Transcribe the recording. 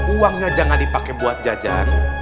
uangnya jangan dipakai buat jajan